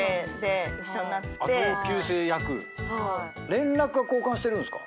連絡は交換してるんすか？